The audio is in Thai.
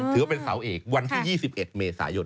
ถือว่าเป็นเสาเอกวันที่๒๑เมษายน